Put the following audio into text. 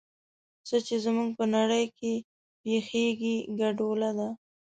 څه چې زموږ په نړۍ کې پېښېږي ګډوله ده.